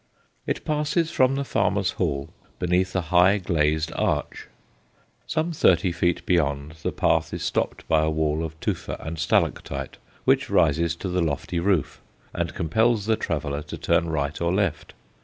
It passes from the farmer's hall beneath a high glazed arch. Some thirty feet beyond, the path is stopped by a wall of tufa and stalactite which rises to the lofty roof, and compels the traveller to turn right or left.